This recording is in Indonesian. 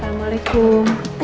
ada kearlah aku brus